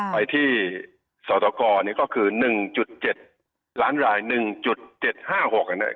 ไปที่สตกเนี่ยก็คือ๑๗ล้านราย๑๗๕๖นะครับ